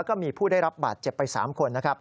แล้วก็มีผู้ได้รับบาทเจ็บไป๓คน